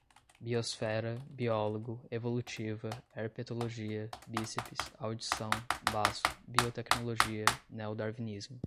biosfera, biólogo, evolutiva, herpetologia, bíceps, audição, baço, biotecnologia, neodarwinismo